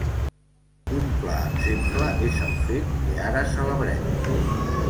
Un clar exemple és el fet que ara celebrem.